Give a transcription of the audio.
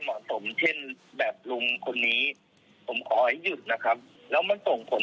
ผมรับเป็นคำขอโทษไม่รับคำขอโทษ